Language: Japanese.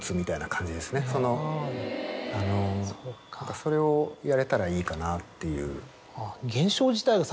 それをやれたらいいかなっていう。